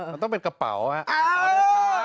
มันต้องเป็นกระเป๋าครับ